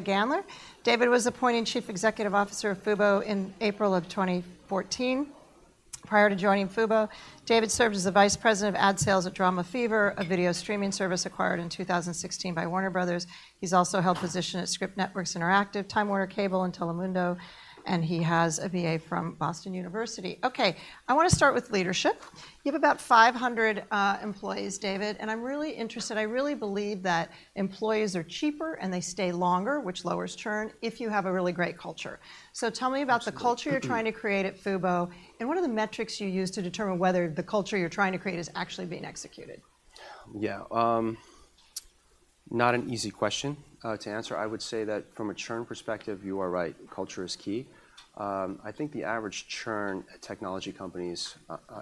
David Gandler. David was appointed chief executive officer of Fubo in April of 2014. Prior to joining Fubo, David served as the vice president of ad sales at DramaFever, a video streaming service acquired in 2016 by Warner Bros. He's also held position at Scripps Networks Interactive, Time Warner Cable, and Telemundo, and he has a BA from Boston University. Okay, I want to start with leadership. You have about 500 employees, David, and I'm really interested—I really believe that employees are cheaper, and they stay longer, which lowers churn, if you have a really great culture. Absolutely. Tell me about the culture you're trying to create at Fubo, and what are the metrics you use to determine whether the culture you're trying to create is actually being executed? Yeah. Not an easy question to answer. I would say that from a churn perspective, you are right, culture is key. I think the average churn at technology companies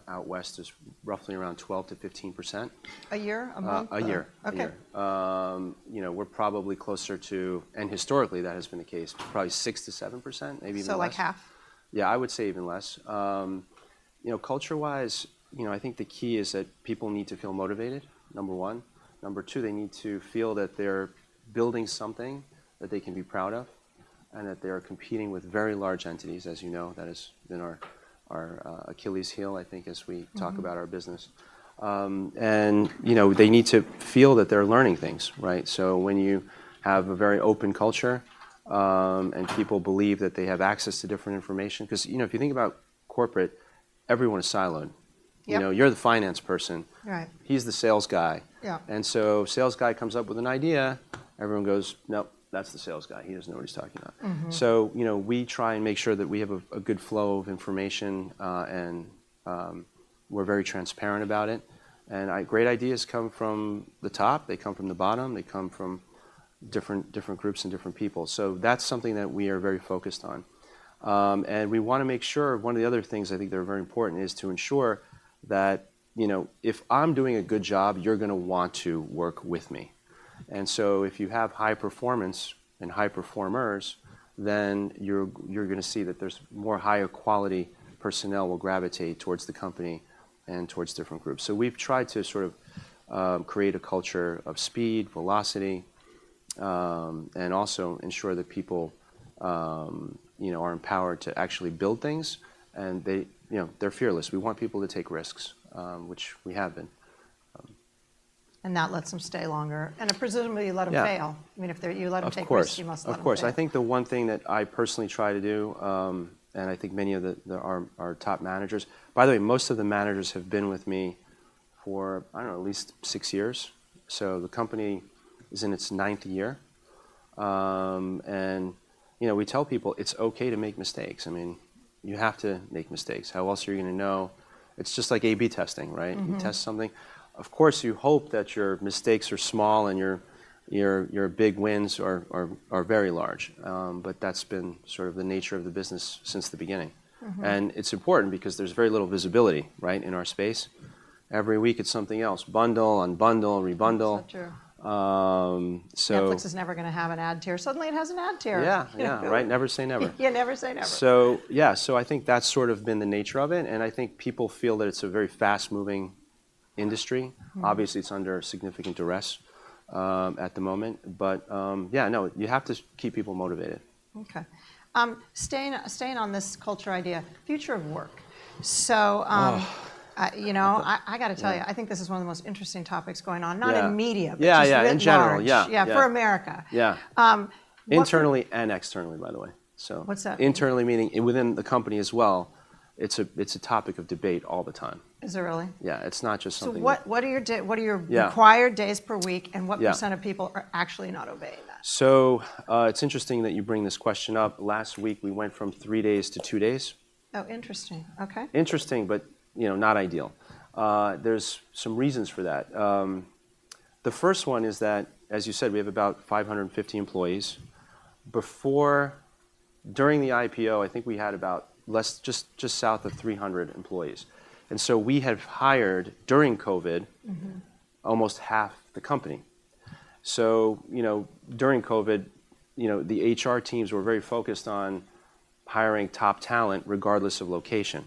out West is roughly around 12%-15%. A year? A month? A year. Okay. A year. You know, we're probably closer to... Historically, that has been the case, probably 6%-7%, maybe even less. So like half? Yeah, I would say even less. You know, culture-wise, you know, I think the key is that people need to feel motivated, number one. Number two, they need to feel that they're building something that they can be proud of, and that they are competing with very large entities. As you know, that has been our Achilles heel, I think, as we- Mm-hmm... talk about our business. And, you know, they need to feel that they're learning things, right? So when you have a very open culture, and people believe that they have access to different information—'cause, you know, if you think about corporate, everyone is siloed. Yep. You know, you're the finance person. Right. He's the sales guy. Yeah. So sales guy comes up with an idea, everyone goes: "Nope, that's the sales guy. He doesn't know what he's talking about. Mm-hmm. So, you know, we try and make sure that we have a good flow of information, and we're very transparent about it. And great ideas come from the top, they come from the bottom, they come from different groups and different people. So that's something that we are very focused on. And we want to make sure one of the other things I think that are very important is to ensure that, you know, if I'm doing a good job, you're gonna want to work with me. And so if you have high performance and high performers, then you're gonna see that there's more higher quality personnel will gravitate towards the company and towards different groups. So we've tried to sort of create a culture of speed, velocity, and also ensure that people, you know, are empowered to actually build things, and they, you know, they're fearless. We want people to take risks, which we have been. That lets them stay longer, and presumably, you let them fail. Yeah. I mean, if you let them take risks- Of course... you must let them fail. Of course. I think the one thing that I personally try to do, and I think many of our top managers... By the way, most of the managers have been with me for, I don't know, at least six years. So the company is in its ninth year. And, you know, we tell people it's okay to make mistakes. I mean, you have to make mistakes. How else are you gonna know? It's just like A/B testing, right? Mm-hmm. You test something. Of course, you hope that your mistakes are small and your big wins are very large. But that's been sort of the nature of the business since the beginning. Mm-hmm. It's important because there's very little visibility, right, in our space. Every week, it's something else. Bundle, unbundle, rebundle. So true. Um, so- Netflix is never gonna have an ad tier. Suddenly, it has an ad tier. Yeah, yeah. Right. Never say never. Yeah, never say never. So yeah, so I think that's sort of been the nature of it, and I think people feel that it's a very fast-moving industry. Mm-hmm. Obviously, it's under significant duress, at the moment, but, yeah, no, you have to keep people motivated. Okay. Staying on this culture idea, future of work. So, Oh!... you know, I gotta tell you- Yeah... I think this is one of the most interesting topics going on- Yeah... not in media- Yeah, yeah, in general.... but just writ large. Yeah, yeah. Yeah, for America. Yeah. Um, what- Internally and externally, by the way. What's that? Internally, meaning within the company as well, it's a topic of debate all the time. Is it really? Yeah. It's not just something- So what are your— Yeah... required days per week, and what- Yeah ...% of people are actually not obeying that? So, it's interesting that you bring this question up. Last week, we went from three days to two days. Oh, interesting. Okay. Interesting, but, you know, not ideal. There's some reasons for that. The first one is that, as you said, we have about 550 employees. Before, during the IPO, I think we had about less, just, just south of 300 employees, and so we have hired, during COVID- Mm-hmm... almost half the company. So, you know, during COVID, you know, the HR teams were very focused on hiring top talent, regardless of location.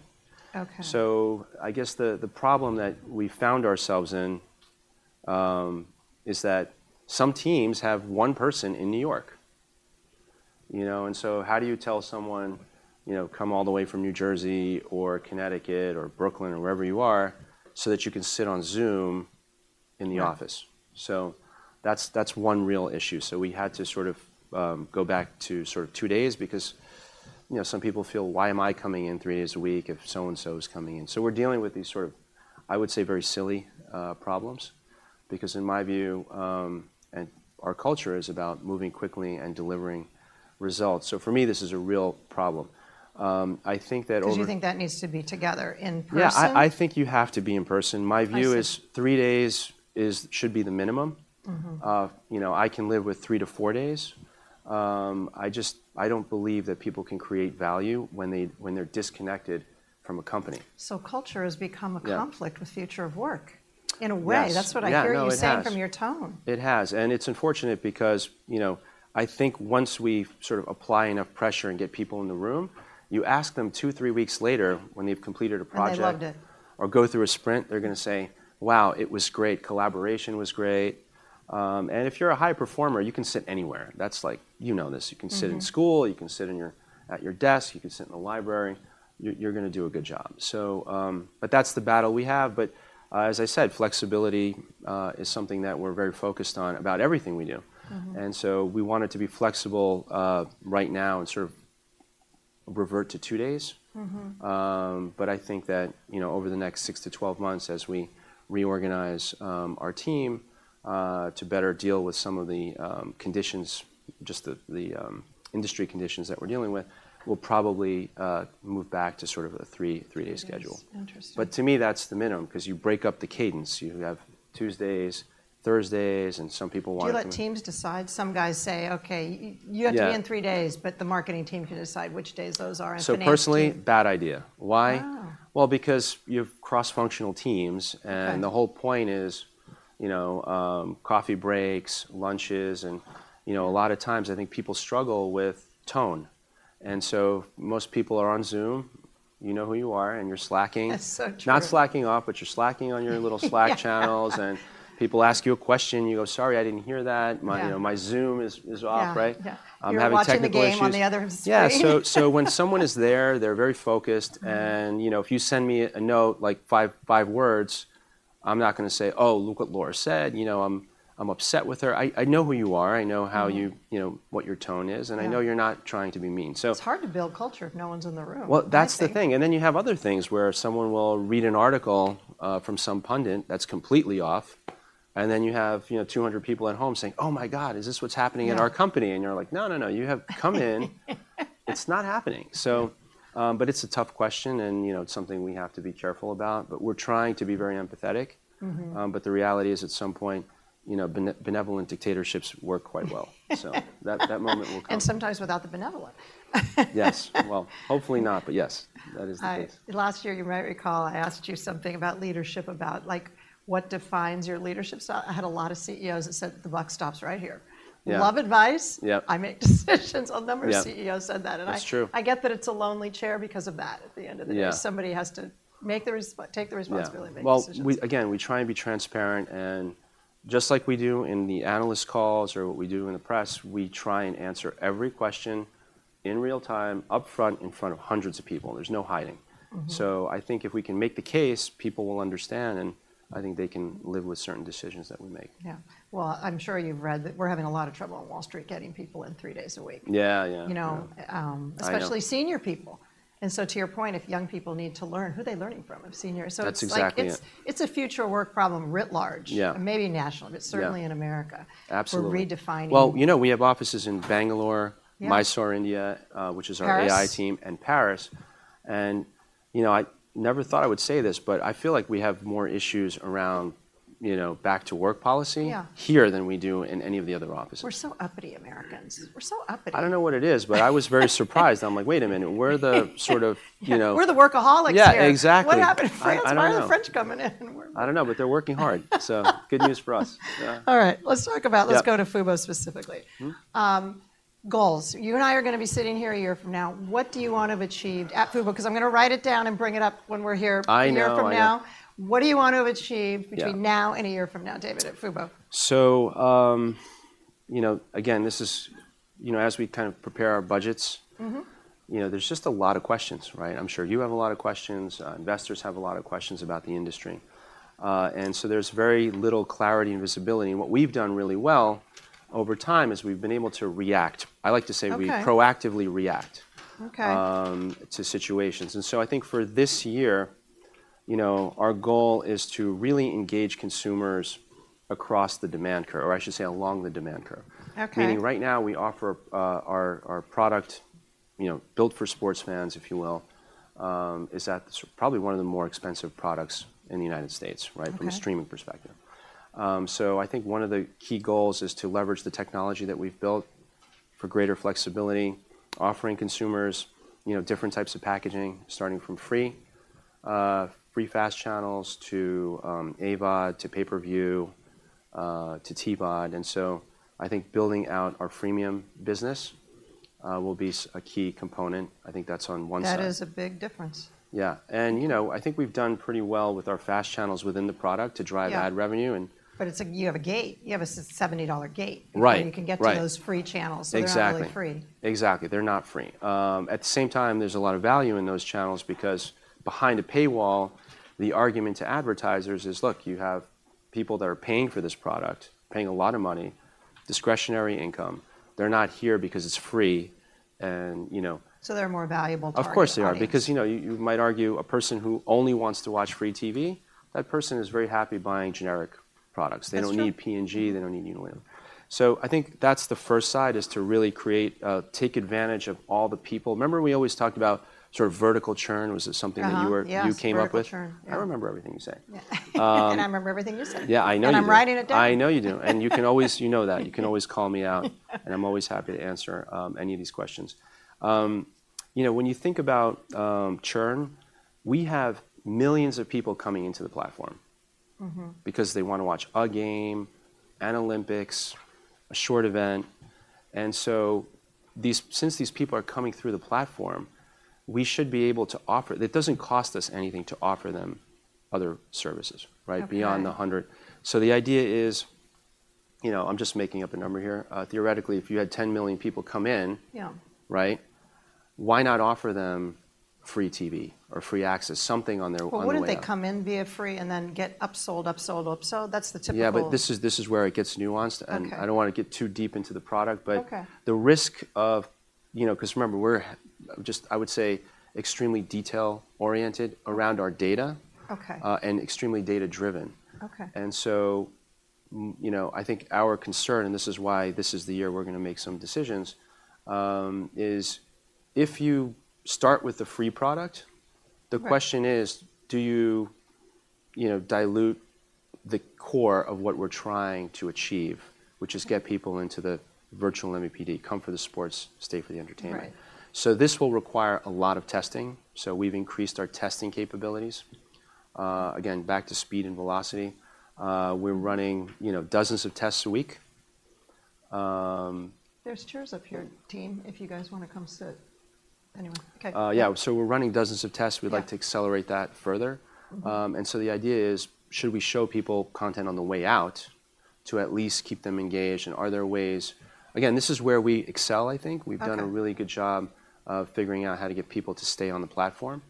Okay. So I guess the problem that we found ourselves in is that some teams have one person in New York, you know. And so how do you tell someone, you know, come all the way from New Jersey or Connecticut or Brooklyn or wherever you are, so that you can sit on Zoom in the office? So that's one real issue. So we had to sort of go back to sort of two days because, you know, some people feel: "Why am I coming in three days a week if so-and-so is coming in?" So we're dealing with these sort of, I would say, very silly problems because in my view, and our culture is about moving quickly and delivering results. So for me, this is a real problem. I think that z- 'Cause you think that needs to be together in person? Yeah, I think you have to be in person. I see. My view is three days is, should be the minimum. Mm-hmm. You know, I can live with 3-4 days. I just, I don't believe that people can create value when they, when they're disconnected from a company. So culture has become a conflict- Yeah... with future of work, in a way. Yes. That's what I hear you saying- Yeah, no, it has.... from your tone. It has, and it's unfortunate because, you know, I think once we sort of apply enough pressure and get people in the room, you ask them two, three weeks later when they've completed a project- They loved it.... or go through a sprint, they're gonna say: "Wow, it was great. Collaboration was great." And if you're a high performer, you can sit anywhere. That's like... You know this. Mm-hmm. You can sit in school, you can sit at your desk, you can sit in the library. You, you're gonna do a good job. So, but that's the battle we have. But, as I said, flexibility is something that we're very focused on about everything we do. Mm-hmm. And so we want it to be flexible, right now, and sort of revert to two days. Mm-hmm. But I think that, you know, over the next 6-12 months as we reorganize our team to better deal with some of the conditions, just the industry conditions that we're dealing with, we'll probably move back to sort of a three-day schedule. Three days. Interesting. But to me, that's the minimum, 'cause you break up the cadence. You have Tuesdays, Thursdays, and some people want- Do you let teams decide? Some guys say, "Okay, Yeah. You have to be in three days, but the marketing team can decide which days those are," and the engineering team- Personally, bad idea. Why? Oh. Well, because you have cross-functional teams- Right... and the whole point is, you know, coffee breaks, lunches, and, you know, a lot of times I think people struggle with tone. And so most people are on Zoom. You know who you are, and you're Slacking- That's so true.... not slacking off, but you're Slacking on your little Slack channels. Yeah. People ask you a question, you go, "Sorry, I didn't hear that. Yeah. My, you know, my Zoom is off," right? Yeah, yeah. I'm having technical issues. You're watching the game on the other screen. Yeah. So, so when someone is there, they're very focused. Mm-hmm. You know, if you send me a note, like 5, 5 words, I'm not gonna say: "Oh, look what Laura said," you know, "I'm, I'm upset with her." I, I know who you are. Mm-hmm. I know how you... You know, what your tone is. Yeah. I know you're not trying to be mean, so- It's hard to build culture if no one's in the room, I think. Well, that's the thing. And then you have other things, where someone will read an article from some pundit that's completely off, and then you have, you know, 200 people at home saying, "Oh, my God! Is this what's happening at our company? Yeah. You're like: "No, no, no, you have come in-... it's not happening." But it's a tough question, and, you know, it's something we have to be careful about, but we're trying to be very empathetic. Mm-hmm. But the reality is, at some point, you know, benevolent dictatorships work quite well. So that moment will come. Sometimes without the benevolent. Yes. Well, hopefully not, but yes, that is the case. Last year, you might recall, I asked you something about leadership, about, like, what defines your leadership style. I had a lot of CEOs that said, "The buck stops right here. Yeah. Love advice. Yep. I make decisions. Yeah. A number of CEOs said that, and I- That's true. I get that it's a lonely chair because of that, at the end of the day. Yeah. Somebody has to take the responsibility. Yeah... to make decisions. Well, we, again, we try and be transparent, and just like we do in the analyst calls or what we do in the press, we try and answer every question in real time, upfront, in front of hundreds of people. There's no hiding. Mm-hmm. So I think if we can make the case, people will understand, and I think they can live with certain decisions that we make. Yeah. Well, I'm sure you've read that we're having a lot of trouble on Wall Street, getting people in three days a week. Yeah, yeah. You know, I know... especially senior people. So to your point, if young people need to learn, who are they learning from, if seniors- That's exactly it. So it's like it's a future work problem writ large. Yeah... maybe national- Yeah... but certainly in America- Absolutely... we're redefining. Well, you know, we have offices in Bangalore- Yeah... Mysore, India, which is our AI team- Paris ...and Paris. You know, I never thought I would say this, but I feel like we have more issues around, you know, back to work policy- Yeah... here than we do in any of the other offices. We're so uppity, Americans. We're so uppity. I don't know what it is, but I was very surprised. I'm like: Wait a minute, we're the sort of... you know- We're the workaholics here. Yeah, exactly. What happened to France? I don't know. Why are the French coming in and we're- I don't know, but they're working hard. So good news for us. Yeah. All right, let's talk about- Yeah... let's go to Fubo specifically. Mm-hmm. Goals: You and I are gonna be sitting here a year from now, what do you want to have achieved at Fubo? 'Cause I'm gonna write it down and bring it up when we're here a year from now. I know, What do you want to have achieved? Yeah... between now and a year from now, David, at Fubo? You know, again, this is, you know, as we kind of prepare our budgets- Mm-hmm... you know, there's just a lot of questions, right? I'm sure you have a lot of questions. Investors have a lot of questions about the industry. And so there's very little clarity and visibility, and what we've done really well over time is we've been able to react. Okay. I like to say we proactively react- Okay... to situations. I think for this year, you know, our goal is to really engage consumers across the demand curve, or I should say, along the demand curve. Okay. Meaning right now, we offer our product, you know, built for sports fans, if you will. Is that probably one of the more expensive products in the United States, right? Okay. From a streaming perspective. So I think one of the key goals is to leverage the technology that we've built for greater flexibility, offering consumers, you know, different types of packaging, starting from free, free FAST channels to, AVOD, to pay-per-view, to TVOD. And so I think building out our freemium business, will be a key component. I think that's on one side. That is a big difference. Yeah. And, you know, I think we've done pretty well with our FAST channels within the product- Yeah... to drive ad revenue, and- But it's a gate. You have a gate, you have a $70 gate. Right. You can get to those free channels. Exactly. They're not really free. Exactly. They're not free. At the same time, there's a lot of value in those channels because behind a paywall, the argument to advertisers is, "Look, you have people that are paying for this product, paying a lot of money, discretionary income. They're not here because it's free, and, you know— They're a more valuable target audience. Of course they are. Because, you know, you, you might argue, a person who only wants to watch free TV, that person is very happy buying generic products. That's true. They don't need P&G, they don't need Unilever. So I think that's the first side, is to really create, take advantage of all the people... Remember we always talked about sort of vertical churn, was it something that you were- Uh-huh. Yes... you came up with? Vertical churn, yeah. I remember everything you say. Yeah. Um- I remember everything you say. Yeah, I know you do. I'm writing it down. I know you do. You can always... You know that. You can always call me out. I'm always happy to answer, any of these questions. You know, when you think about, churn, we have millions of people coming into the platform- Mm-hmm... because they wanna watch a game, an Olympics, a short event. And so these, since these people are coming through the platform, we should be able to offer-- it doesn't cost us anything to offer them other services, right? Okay. Beyond the hundred. So the idea is, you know, I'm just making up a number here. Theoretically, if you had 10 million people come in- Yeah. Right? Why not offer them free TV or free access, something on their, on the way out. Well, wouldn't they come in via free and then get upsold, upsold, upsold? That's the typical- Yeah, but this is, this is where it gets nuanced- Okay.... and I don't want to get too deep into the product, but- Okay... the risk of, you know, 'cause remember, we're just, I would say, extremely detail-oriented around our data. Okay. Extremely data driven. Okay. And so, you know, I think our concern, and this is why this is the year we're gonna make some decisions, is if you start with the free product- Right... the question is: do you, you know, dilute the core of what we're trying to achieve? Okay. Which is get people into the virtual MVPD, come for the sports, stay for the entertainment. Right. So this will require a lot of testing, so we've increased our testing capabilities. Again, back to speed and velocity. We're running, you know, dozens of tests a week. There's chairs up here, team, if you guys wanna come sit. Anyway, okay. Yeah. We're running dozens of tests. Yeah. We'd like to accelerate that further. Mm-hmm. And so the idea is, should we show people content on the way out to at least keep them engaged? And are there ways... Again, this is where we excel, I think. Okay. We've done a really good job of figuring out how to get people to stay on the platform.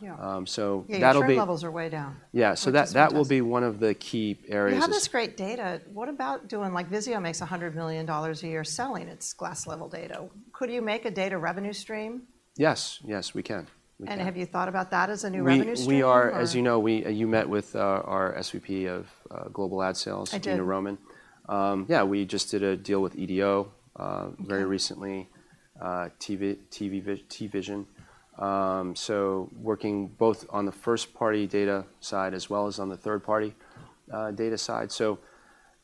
Yeah. So that'll be- Yeah, your churn levels are way down. Yeah. Which is fantastic. So that will be one of the key areas- You have this great data. What about doing... Like, Vizio makes $100 million a year selling its glass-level data. Could you make a data revenue stream? Yes. Yes, we can. We can. Have you thought about that as a new revenue stream, or? As you know, we... You met with our SVP of global ad sales- I did... Dina Roman. Yeah, we just did a deal with EDO, Okay... very recently, TVision. So working both on the first-party data side as well as on the third-party data side. So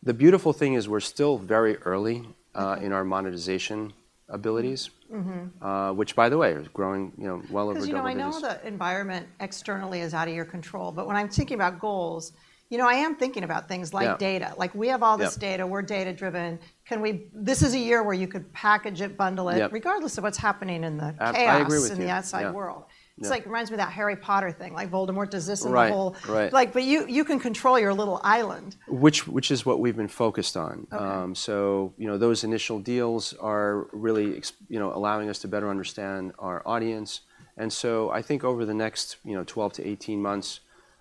the beautiful thing is we're still very early in our monetization abilities. Mm-hmm. which, by the way, is growing, you know, well over double digits. 'Cause, you know, I know the environment externally is out of your control, but when I'm thinking about goals, you know, I am thinking about things like- Yeah... data. Like, we have all this- Yeah... data. We're data driven. Can we-- This is a year where you could package it, bundle it- Yeah... regardless of what's happening in the chaos- I agree with you.... in the outside world. Yeah. Yeah. This, like, reminds me of that Harry Potter thing, like Voldemort does this and the whole- Right. Right. Like, but you can control your little island. Which is what we've been focused on. Okay. So, you know, those initial deals are really you know, allowing us to better understand our audience. And so I think over the next, you know, 12-18 months,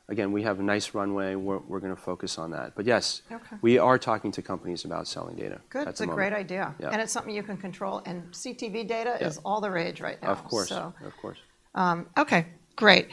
again, we have a nice runway. We're gonna focus on that. But yes- Okay... we are talking to companies about selling data. Good. At the moment. It's a great idea. Yeah. It's something you can control, and CTV data- Yeah... is all the rage right now. Of course. So. Of course. Okay, great.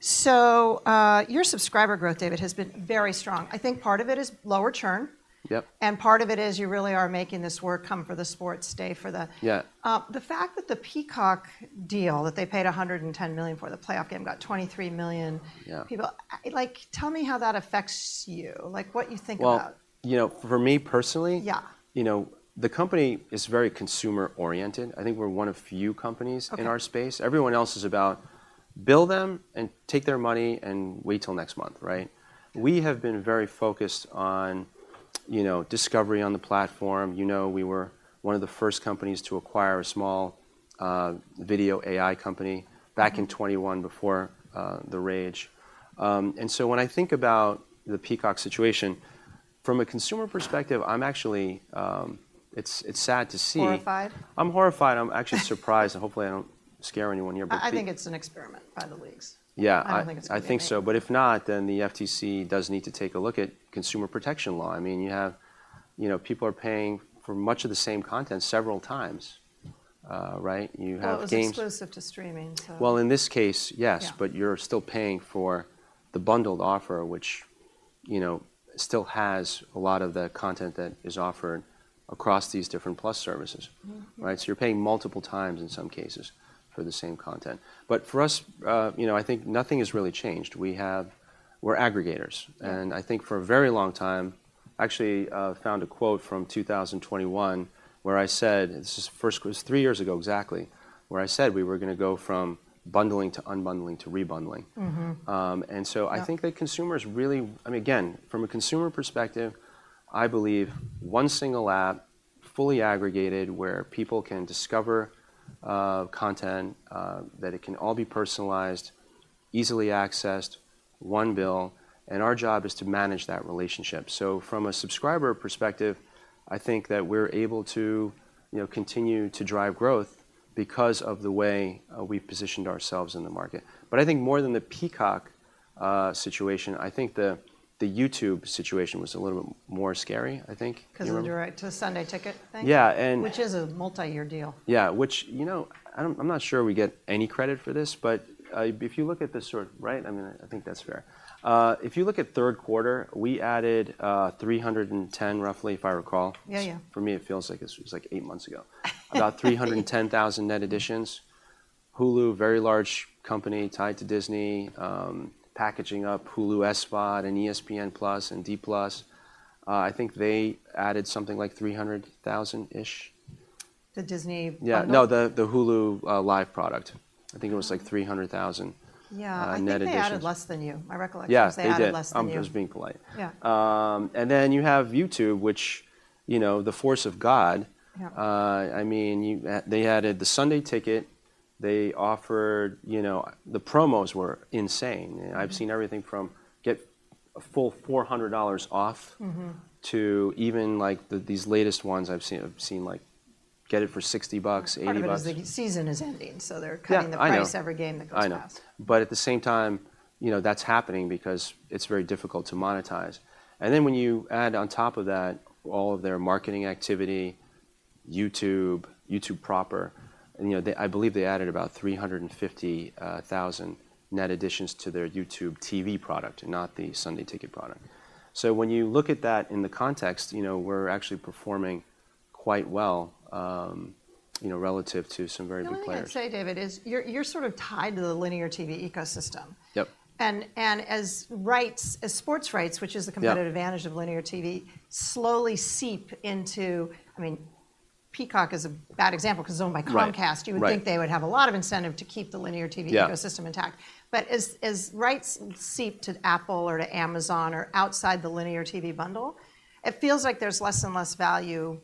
So, your subscriber growth, David, has been very strong. I think part of it is lower churn. Yep. Part of it is you really are making this work: "Come for the sports, stay for the... Yeah. The fact that the Peacock deal, that they paid $110 million for the playoff game, got 23 million- Yeah... people, like, tell me how that affects you. Like, what you think about it? Well, you know, for me, personally- Yeah... you know, the company is very consumer oriented. I think we're one of few companies- Okay... in our space. Everyone else is about bill them and take their money and wait till next month, right? Mm. We have been very focused on, you know, discovery on the platform. You know, we were one of the first companies to acquire a small, video AI company- Mm... back in 2021 before the rage. And so when I think about the Peacock situation, from a consumer perspective, I'm actually... It's, it's sad to see. Horrified? I'm horrified. I'm actually surprised, and hopefully I don't scare anyone here, but the- I think it's an experiment by the leagues. Yeah, I- I don't think it's gonna be a thing.... I think so. But if not, then the FTC does need to take a look at consumer protection law. I mean, you have... You know, people are paying for much of the same content several times, right? You have games- Well, it was exclusive to streaming, so. Well, in this case, yes. Yeah. But you're still paying for the bundled offer, which, you know, still has a lot of the content that is offered across these different Plus services. Mm-hmm. Right? So you're paying multiple times, in some cases, for the same content. But for us, you know, I think nothing has really changed. We're aggregators, and I think for a very long time... Actually, found a quote from 2021, where I said... It was three years ago, exactly, where I said we were gonna go from bundling, to unbundling, to rebundling. Mm-hmm. And so- Yeah... I think that consumers really, I mean, again, from a consumer perspective, I believe one single app, fully aggregated, where people can discover, content, that it can all be personalized, easily accessed, one bill, and our job is to manage that relationship. So from a subscriber perspective, I think that we're able to, you know, continue to drive growth because of the way, we've positioned ourselves in the market. But I think more than the Peacock situation, I think the YouTube situation was a little bit more scary, I think. You remember? 'Cause of the right to Sunday Ticket thing? Yeah, and- Which is a multi-year deal. Yeah. Which, you know, I'm not sure we get any credit for this, but if you look at the sort... Right? I mean, I think that's fair. If you look at Q3, we added 310, roughly, if I recall. Yeah, yeah. For me, it feels like it was, like, eight months ago. About 310,000 net additions. Hulu, very large company tied to Disney, packaging up Hulu SVOD and ESPN+ and D+. I think they added something like 300,000-ish.... the Disney- Yeah. No, the Hulu live product. I think it was like 300,000- Yeah - net additions. I think they added less than you. My recollection. Yeah, they did. It's they added less than you. I'm just being polite. Yeah. Then you have YouTube, which, you know, the force of God. Yeah. I mean, they added the Sunday Ticket. They offered... You know, the promos were insane. Mm-hmm. I've seen everything from, "Get a full $400 off" - Mm-hmm to even, like, these latest ones I've seen. I've seen like, "Get it for $60, $80. Part of it is the season is ending, so they're cutting. Yeah, I know. the price every game that comes out. I know. But at the same time, you know, that's happening because it's very difficult to monetize. And then when you add on top of that, all of their marketing activity, YouTube, YouTube proper, and, you know, they—I believe they added about 350,000 net additions to their YouTube TV product, not the Sunday Ticket product. So when you look at that in the context, you know, we're actually performing quite well, you know, relative to some very big players. The only thing I'd say, David, is you're sort of tied to the linear TV ecosystem. Yep. as sports rights, which is- Yeah... the competitive advantage of linear TV, slowly seep into - I mean, Peacock is a bad example 'cause it's owned by Comcast. Right. Right. You would think they would have a lot of incentive to keep the linear TV- Yeah ecosystem intact. But as rights seep to Apple or to Amazon or outside the linear TV bundle, it feels like there's less and less value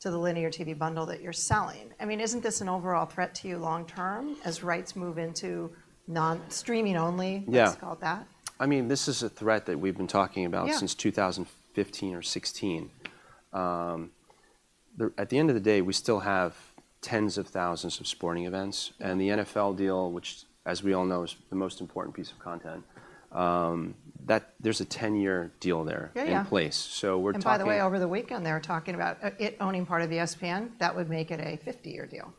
to the linear TV bundle that you're selling. I mean, isn't this an overall threat to you long term, as rights move into non-streaming only- Yeah.... let's call it that? I mean, this is a threat that we've been talking about- Yeah.... since 2015 or 2016. At the end of the day, we still have tens of thousands of sporting events, and the NFL deal, which, as we all know, is the most important piece of content, that there's a 10-year deal there- Yeah, yeah... in place. So we're talking- By the way, over the weekend, they were talking about it owning part of the ESPN. That would make it a 50-year deal.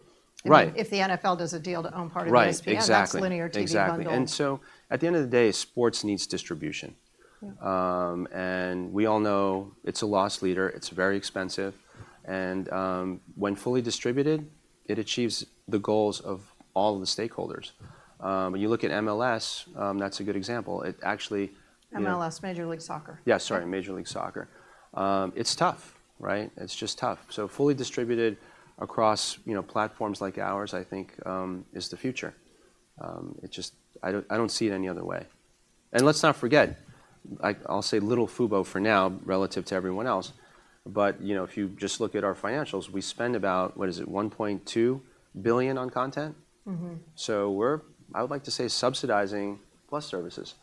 Right. If the NFL does a deal to own part of the ESPN- Right, exactly. That's linear TV bundle. Exactly. And so, at the end of the day, sports needs distribution. Yeah. We all know it's a loss leader. It's very expensive, and when fully distributed, it achieves the goals of all the stakeholders. When you look at MLS, that's a good example. It actually, you know- MLS, Major League Soccer. Yeah, sorry, Major League Soccer. It's tough, right? It's just tough. So fully distributed across, you know, platforms like ours, I think, is the future. It just—I don't, I don't see it any other way. And let's not forget, I'll say little Fubo for now, relative to everyone else, but, you know, if you just look at our financials, we spend about, what is it? $1.2 billion on content. Mm-hmm. So we're, I would like to say, subsidizing plus services.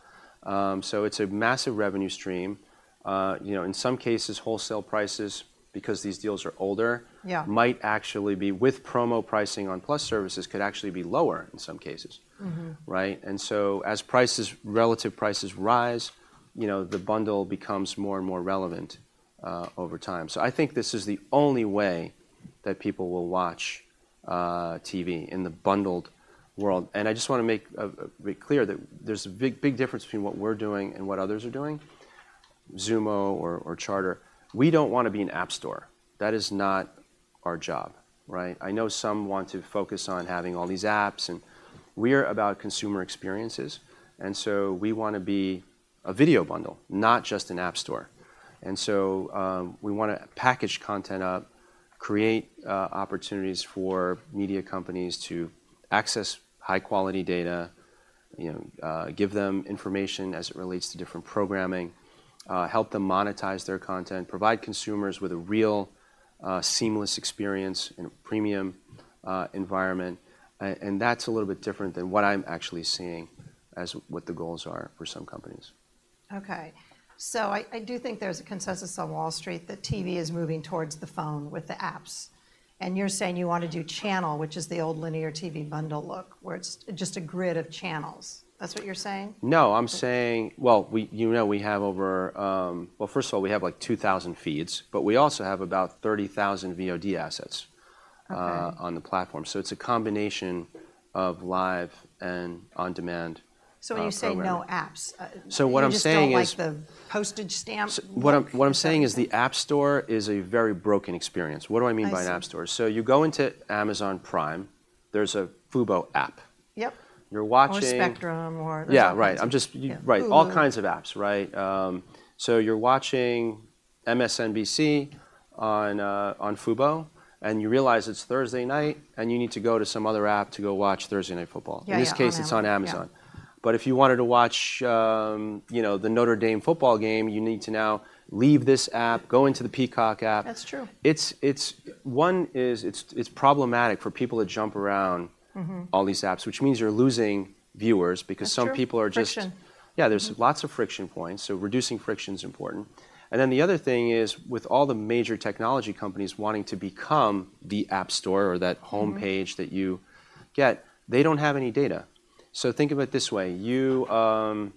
So it's a massive revenue stream. You know, in some cases, wholesale prices, because these deals are older- Yeah... might actually be with promo pricing on plus services, could actually be lower in some cases. Mm-hmm. Right? And so as prices, relative prices rise, you know, the bundle becomes more and more relevant over time. So I think this is the only way that people will watch TV in the bundled world. And I just want to make clear that there's a big, big difference between what we're doing and what others are doing. Xumo or Charter, we don't want to be an app store. That is not our job, right? I know some want to focus on having all these apps, and we are about consumer experiences, and so we want to be a video bundle, not just an app store. And so, we wanna package content up, create opportunities for media companies to access high-quality data, you know, give them information as it relates to different programming, help them monetize their content, provide consumers with a real, seamless experience in a premium environment. And that's a little bit different than what I'm actually seeing as what the goals are for some companies. Okay. So I do think there's a consensus on Wall Street that TV is moving towards the phone with the apps, and you're saying you want to do channel, which is the old linear TV bundle look, where it's just a grid of channels. That's what you're saying? No, I'm saying... Well, you know, we have over... Well, first of all, we have, like, 2,000 feeds, but we also have about 30,000 VOD assets- Okay... on the platform. So it's a combination of live and on-demand program. So when you say no apps, What I'm saying is- You just don't like the postage stamp? What I'm saying is the app store is a very broken experience. I see. What do I mean by an app store? So you go into Amazon Prime. There's a Fubo app. Yep. You're watching- Or Spectrum or- Yeah, right. I'm just- Yeah... Right. All kinds of apps, right? So you're watching MSNBC on Fubo, and you realize it's Thursday night, and you need to go to some other app to go watch Thursday Night Football. Yeah, yeah, on Amazon. In this case, it's on Amazon. Yeah. But if you wanted to watch, you know, the Notre Dame football game, you need to now leave this app, go into the Peacock app. That's true. One is, it's problematic for people to jump around- Mm-hmm... all these apps, which means you're losing viewers, because- That's true... some people are just- Friction. Yeah, there's- Mm-hmm... lots of friction points, so reducing friction is important. And then the other thing is, with all the major technology companies wanting to become the app store or that homepage- Mm-hmm... that you get, they don't have any data. So think of it this way: You...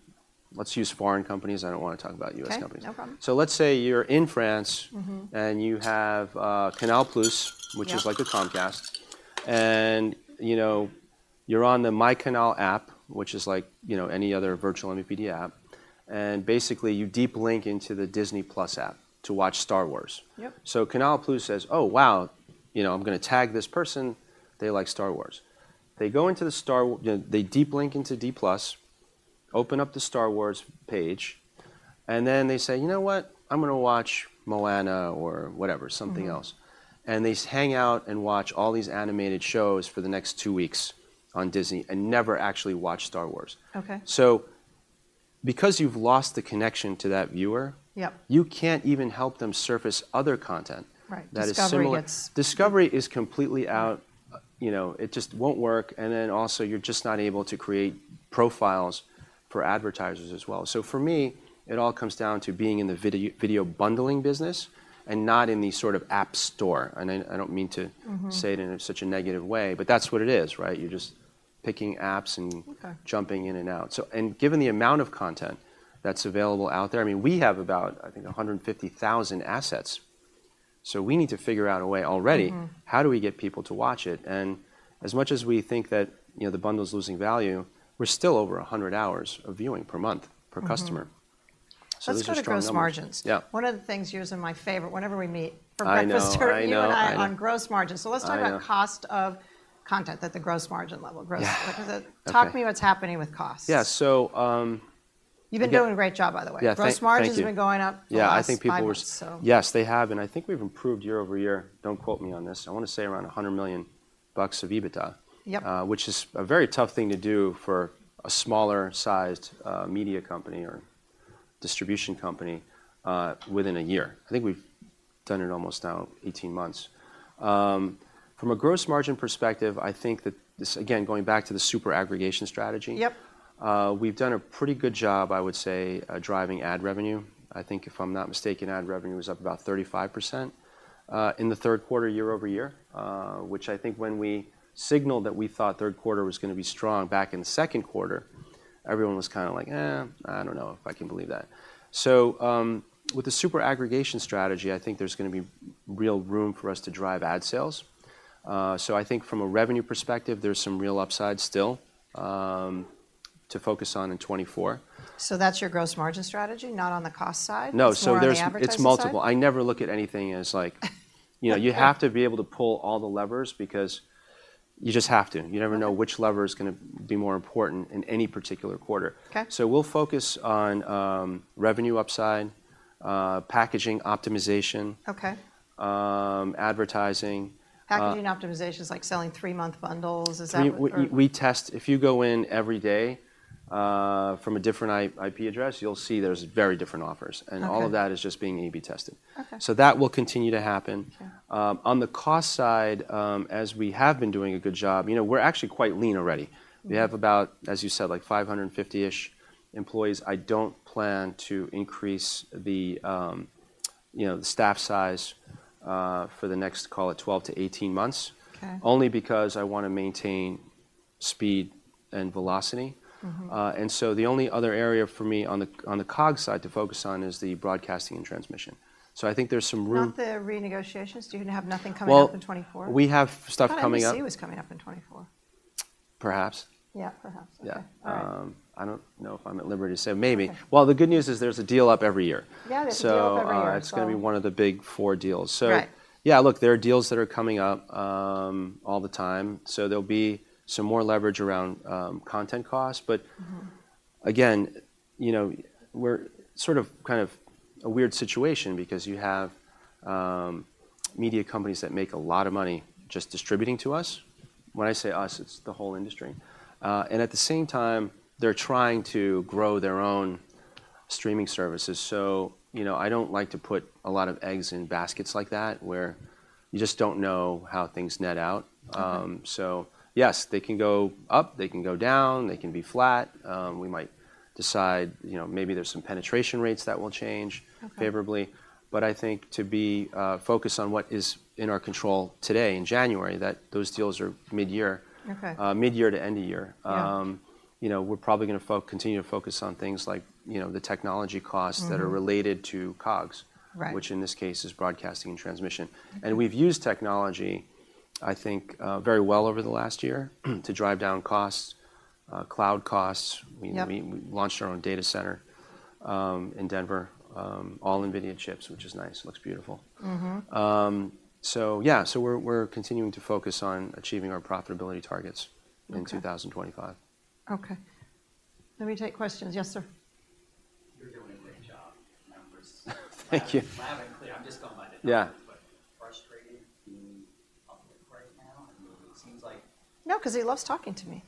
Let's use foreign companies. I don't want to talk about U.S. companies. Okay, no problem. Let's say you're in France- Mm-hmm... and you have Canal+. Yeah... which is like a Comcast. And, you know, you're on the myCanal app, which is like, you know, any other virtual MVPD app, and basically, you deep link into the Disney+ app to watch Star Wars. Yep. So Canal+ says, "Oh, wow, you know, I'm gonna tag this person. They like Star Wars." They go into the Star Wars—you know, they deep link into D+... open up the Star Wars page, and then they say, "You know what? I'm gonna watch Moana," or whatever, something else. Mm-hmm. They hang out and watch all these animated shows for the next two weeks on Disney, and never actually watch Star Wars. Okay. Because you've lost the connection to that viewer- Yep... you can't even help them surface other content- Right... that is similar. Discovery gets- Discovery is completely out. Right. You know, it just won't work, and then also, you're just not able to create profiles for advertisers as well. So for me, it all comes down to being in the video bundling business, and not in the sort of app store. And I don't mean to- Mm-hmm... say it in such a negative way, but that's what it is, right? You're just picking apps and- Okay... jumping in and out. So, and given the amount of content that's available out there, I mean, we have about, I think, 150,000 assets. So we need to figure out a way already- Mm-hmm... how do we get people to watch it? As much as we think that, you know, the bundle's losing value, we're still over 100 hours of viewing per month, per customer. Mm-hmm. Those are strong numbers. Let's go to gross margins. Yeah. One of the things you're my favorite whenever we meet- I know. I know, I know... for breakfast, are you and I on gross margins. I know. So let's talk about cost of content at the gross margin level. Gross- Yeah. Talk to me- Okay... what's happening with costs. Yeah, so... You've been doing a great job, by the way. Yeah, thank you. Gross margin has been going up for the last five months, so. Yeah, I think people were... Yes, they have, and I think we've improved year-over-year. Don't quote me on this. I want to say around $100 million of EBITDA- Yep... which is a very tough thing to do for a smaller sized, media company or distribution company, within a year. I think we've done it almost now 18 months. From a gross margin perspective, I think that this... Again, going back to the super aggregation strategy- Yep ... We've done a pretty good job, I would say, at driving ad revenue. I think if I'm not mistaken, ad revenue is up about 35% in the Q3, year over year. Which I think when we signaled that we thought Q3 was gonna be strong back in the Q2, everyone was kind of like: "Eh, I don't know if I can believe that." So, with the super aggregation strategy, I think there's gonna be real room for us to drive ad sales. So I think from a revenue perspective, there's some real upside still to focus on in 2024. So that's your gross margin strategy, not on the cost side? No, so there's- It's more on the advertising side? It's multiple. I never look at anything as, like, you know, you have to be able to pull all the levers because you just have to. Okay. You never know which lever is gonna be more important in any particular quarter. Okay. So we'll focus on revenue upside, packaging optimization- Okay... advertising Packaging optimization is like selling three-month bundles. Is that what you're- If you go in every day from a different IP address, you'll see there's very different offers. Okay. All of that is just being A/B tested. Okay. So that will continue to happen. Okay. On the cost side, as we have been doing a good job, you know, we're actually quite lean already. Mm. We have about, as you said, like 550-ish employees. I don't plan to increase the, you know, staff size for the next, call it 12-18 months. Okay. Only because I wanna maintain speed and velocity. Mm-hmm. and so the only other area for me on the COGS side to focus on is the broadcasting and transmission. So I think there's some room- Not the renegotiations? Do you gonna have nothing coming up in 2024? Well, we have stuff coming up- I thought NBC was coming up in 2024. Perhaps. Yeah, perhaps. Yeah. Okay. All right. I don't know if I'm at liberty to say. Maybe. Okay. Well, the good news is there's a deal up every year. Yeah, there's a deal up every year, so- So, it's gonna be one of the big four deals. Right. So, yeah, look, there are deals that are coming up, all the time, so there'll be some more leverage around, content costs. Mm-hmm. But again, you know, we're sort of, kind of a weird situation because you have media companies that make a lot of money just distributing to us. When I say us, it's the whole industry. And at the same time, they're trying to grow their own streaming services. So, you know, I don't like to put a lot of eggs in baskets like that, where you just don't know how things net out. Okay. So yes, they can go up, they can go down, they can be flat. We might decide, you know, maybe there's some penetration rates that will change- Okay... favorably. But I think to be focused on what is in our control today, in January, that those deals are mid-year. Okay. Mid-year to end of year. Yeah. You know, we're probably gonna continue to focus on things like, you know, the technology costs- Mm... that are related to COGS. Right. Which in this case is broadcasting and transmission. Mm-hmm. We've used technology, I think, very well over the last year, to drive down costs, cloud costs. Yep. We launched our own data center in Denver, all NVIDIA chips, which is nice. It looks beautiful. Mm-hmm. So yeah, we're continuing to focus on achieving our profitability targets- Okay... in 2025. Okay. Let me take questions. Yes, sir? You're doing a great job. Numbers- Thank you. I'm just going by the numbers. Yeah ... but frustrating being public right now? It seems like- No, 'cause he loves talking to me.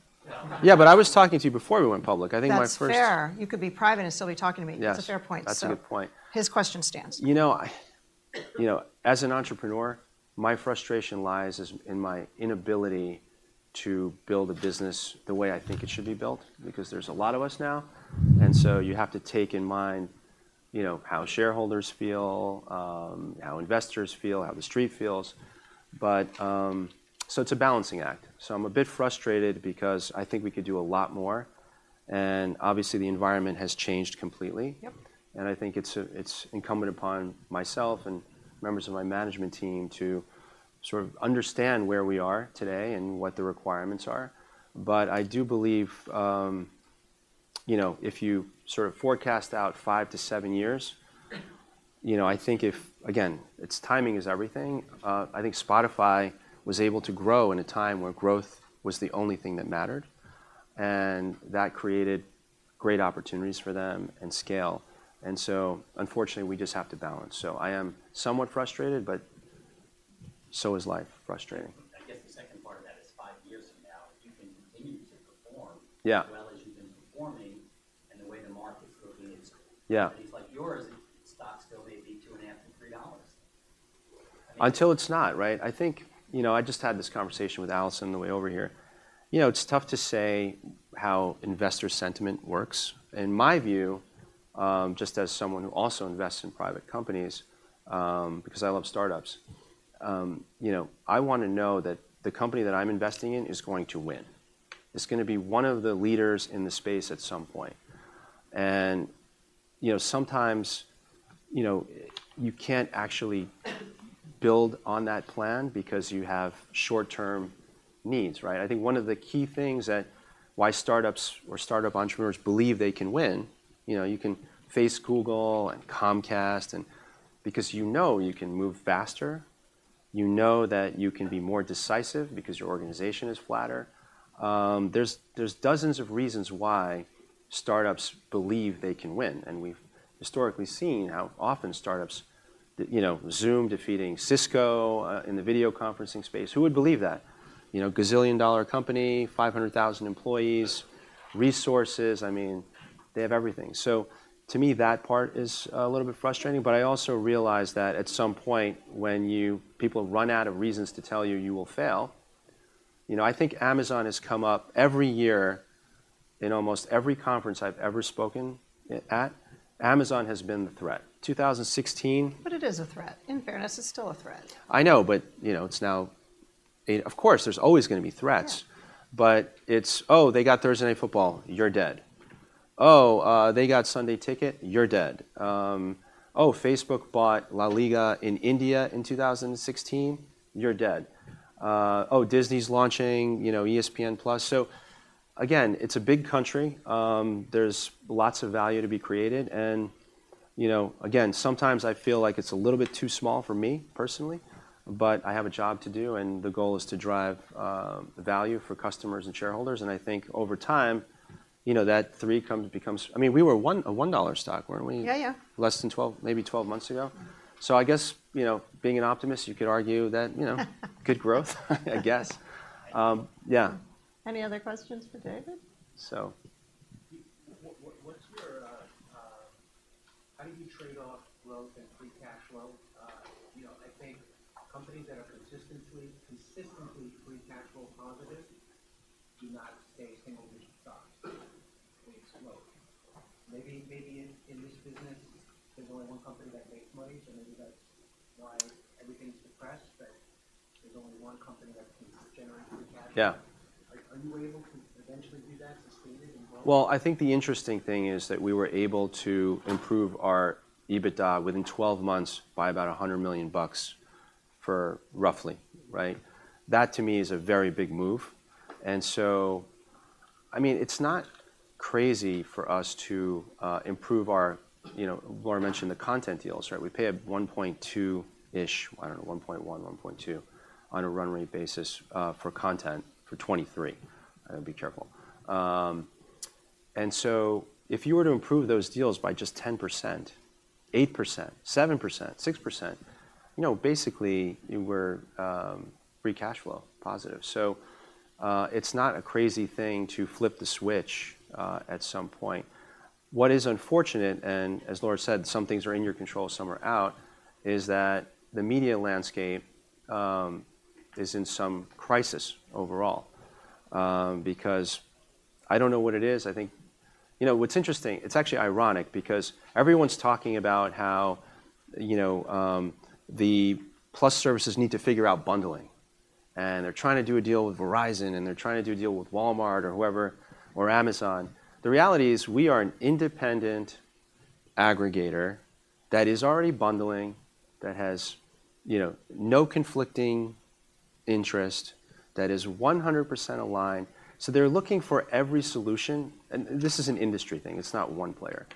Yeah, but I was talking to you before we went public. I think my first- That's fair. You could be private and still be talking to me. Yes. That's a fair point, so- That's a good point.... his question stands. You know, You know, as an entrepreneur, my frustration lies is in my inability to build a business the way I think it should be built, because there's a lot of us now. And so you have to take in mind, you know, how shareholders feel, how investors feel, how the street feels. But, so it's a balancing act. So I'm a bit frustrated because I think we could do a lot more, and obviously, the environment has changed completely. Yep. And I think it's incumbent upon myself and members of my management team to sort of understand where we are today and what the requirements are. But I do believe, you know, if you sort of forecast out 5-7 years, you know, I think if again, it's timing is everything. I think Spotify was able to grow in a time where growth was the only thing that mattered, and that created great opportunities for them and scale. And so unfortunately, we just have to balance. So I am somewhat frustrated, but so is life, frustrating. I guess the second part of that is five years from now, if you can continue to perform- Yeah as well as you've been performing, and the way the market's looking, it's- Yeah - Companies like yours, stocks still may be $2.5-$3. Until it's not, right? I think... You know, I just had this conversation with Alison on the way over here. You know, it's tough to say how investor sentiment works. In my view, just as someone who also invests in private companies, because I love startups, you know, I wanna know that the company that I'm investing in is going to win. It's gonna be one of the leaders in the space at some point. And, you know, sometimes, you know, you can't actually build on that plan because you have short-term needs, right? I think one of the key things that why startups or startup entrepreneurs believe they can win, you know, you can face Google and Comcast, and because you know you can move faster, you know that you can be more decisive because your organization is flatter. There's dozens of reasons why startups believe they can win, and we've historically seen how often startups, you know, Zoom defeating Cisco, in the video conferencing space. Who would believe that? You know, gazillion-dollar company, 500,000 employees, resources, I mean, they have everything. So to me, that part is a little bit frustrating, but I also realize that at some point when you, people run out of reasons to tell you, you will fail. You know, I think Amazon has come up every year in almost every conference I've ever spoken at. Amazon has been the threat. 2016- But it is a threat. In fairness, it's still a threat. I know, but you know, it's now... Of course, there's always gonna be threats. Yeah. But it's, "Oh, they got Thursday Night Football, you're dead." "Oh, they got Sunday Ticket, you're dead." "Oh, Facebook bought LaLiga in India in 2016, you're dead." "Oh, Disney's launching, you know, ESPN+. So again, it's a big country. There's lots of value to be created, and, you know, again, sometimes I feel like it's a little bit too small for me, personally, but I have a job to do, and the goal is to drive, the value for customers and shareholders. And I think over time, you know, that three comes, becomes-- I mean, we were one, a $1 stock, weren't we? Yeah, yeah. Less than 12, maybe 12 months ago. So I guess, you know, being an optimist, you could argue that, you know... good growth, I guess. Yeah. Any other questions for David? So- What's your... How do you trade off growth and free cash flow? You know, I think companies that are consistently free cash flow positive do not stay single-digit stocks. They explode. Maybe in this business, there's only one company that makes money, so maybe that's why everything's depressed, that there's only one company that can generate free cash flow. Yeah. Are you able to eventually do that, sustained and grow? Well, I think the interesting thing is that we were able to improve our EBITDA within 12 months by about $100 million bucks, roughly, right? That, to me, is a very big move. And so, I mean, it's not crazy for us to improve our, you know... Laura mentioned the content deals, right? We pay a $1.2-ish, I don't know, $1.1, $1.2, on a run rate basis, for content for 2023. I gotta be careful. And so if you were to improve those deals by just 10%, 8%, 7%, 6%, you know, basically, you were free cash flow positive. So, it's not a crazy thing to flip the switch at some point. What is unfortunate, and as Laura said, some things are in your control, some are out, is that the media landscape is in some crisis overall. Because I don't know what it is, I think. You know, what's interesting, it's actually ironic because everyone's talking about how, you know, the plus services need to figure out bundling, and they're trying to do a deal with Verizon, and they're trying to do a deal with Walmart or whoever, or Amazon. The reality is, we are an independent aggregator that is already bundling, that has, you know, no conflicting interest, that is 100% aligned. So they're looking for every solution, and this is an industry thing, it's not one player.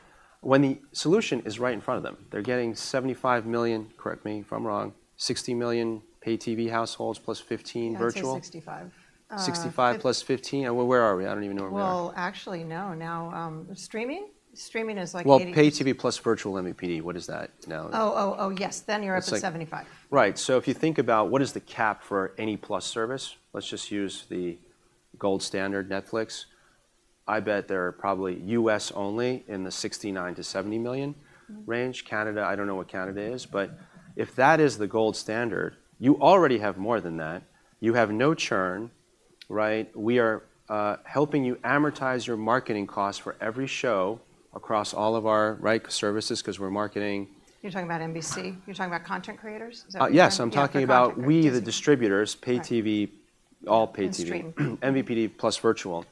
When the solution is right in front of them, they're getting 75 million, correct me if I'm wrong, 60 million pay TV households plus 15 virtual. I'd say 65. 65 plus 15, where are we? I don't even know where we are. Well, actually, no. Now, streaming? Streaming is like 80- Well, pay TV plus virtual MVPD, what is that now? Oh, oh, oh, yes. It's like- Then you're up to 75. Right. So if you think about what is the cap for any plus service, let's just use the gold standard, Netflix. I bet they're probably U.S. only in the 69-70 million range. Mm-hmm. Canada, I don't know what Canada is, but if that is the gold standard, you already have more than that. You have no churn, right? We are helping you amortize your marketing costs for every show across all of our, right, services, 'cause we're marketing. You're talking about NBC? You're talking about content creators? Is that what you're talking about- Yes, I'm talking about- Yeah, for content creators.... we, the distributors, pay TV- Right... all pay TV. And stream. MVPD plus virtual.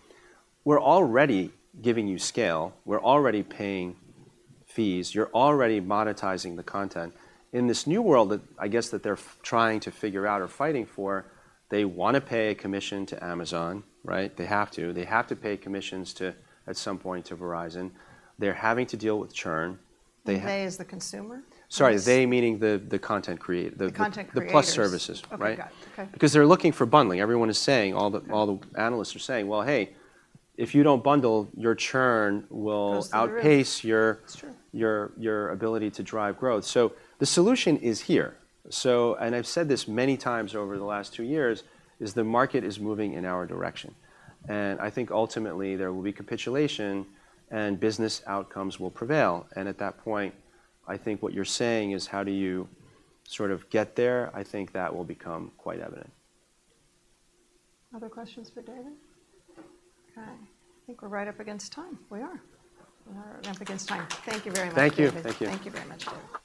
We're already giving you scale. We're already paying fees. You're already monetizing the content. In this new world that, I guess, that they're trying to figure out or fighting for, they wanna pay a commission to Amazon, right? They have to. They have to pay commissions to, at some point, to Verizon. They're having to deal with churn. They have- They, as the consumer? Sorry, they meaning the content creator, The content creators.... the plus services, right? Okay, got it. Okay. Because they're looking for bundling. Everyone is saying, all the- Yeah... all the analysts are saying: "Well, hey, if you don't bundle, your churn will- Go through the roof.... outpace your- It's true... your ability to drive growth. The solution is here. And I've said this many times over the last two years, the market is moving in our direction. I think ultimately there will be capitulation, and business outcomes will prevail. At that point, I think what you're saying is, how do you sort of get there? I think that will become quite evident. Other questions for David? Okay. I think we're right up against time. We are. We are up against time. Thank you very much, David. Thank you. Thank you, Thank you very much, David.